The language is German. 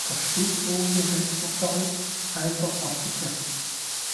Das spitzbogige Westportal ist dreifach abgetreppt.